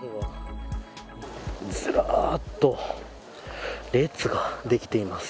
ずらっと列ができています。